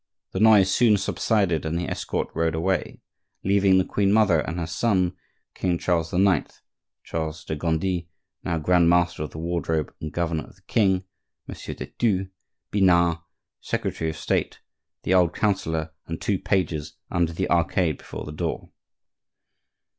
The noise soon subsided and the escort rode away, leaving the queen mother and her son, King Charles IX., Charles de Gondi, now Grand master of the wardrobe and governor of the king, Monsieur de Thou, Pinard, secretary of State, the old counsellor, and two pages, under the arcade before the door.